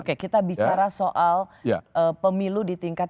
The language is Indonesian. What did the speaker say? oke kita bicara soal pemilu di tingkat